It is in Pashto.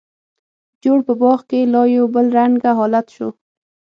جوړ په باغ کې لا یو بل رنګه حالت شو.